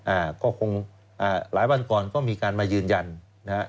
อ่าก็คงอ่าหลายวันก่อนก็มีการมายืนยันนะฮะ